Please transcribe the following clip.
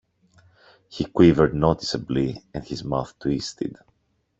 He quivered noticeably, and his mouth twisted.